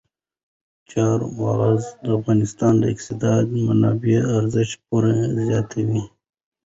چار مغز د افغانستان د اقتصادي منابعو ارزښت پوره زیاتوي.